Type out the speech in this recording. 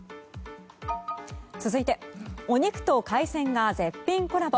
続いてお肉と海鮮が絶品コラボ。